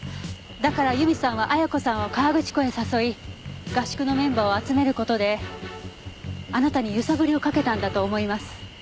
だから由美さんは亜矢子さんを河口湖へ誘い合宿のメンバーを集める事であなたに揺さぶりをかけたんだと思います。